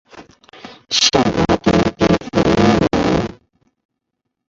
圣马丁迪富伊卢。